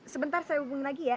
sebentar saya hubungi lagi ya